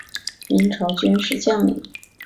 明朝军事将领。